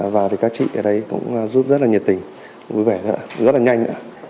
và thì các chị ở đây cũng giúp rất là nhiệt tình vui vẻ rất là nhanh